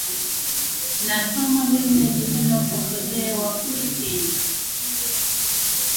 na somo lile lililopokelewa kule kenya